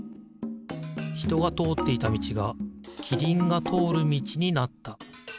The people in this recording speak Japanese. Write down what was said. ひとがとおっていたみちがキリンがとおるみちになった。